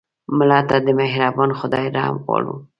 مړه ته د مهربان خدای رحم غواړو